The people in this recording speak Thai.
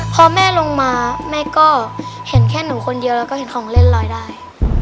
พอแม่ลงมาแม่ก็เห็นแค่หนูคนเดียวแล้วก็เห็นของเล่นลอยได้